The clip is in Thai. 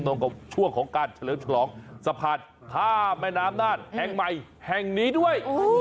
ตรงกับช่วงของการเฉลิมฉลองสะพานข้ามแม่น้ำน่านแห่งใหม่แห่งนี้ด้วย